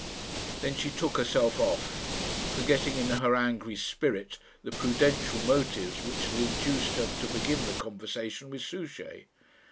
Then she took herself off, forgetting in her angry spirit the prudential motives which had induced her to begin the conversation with Souchey.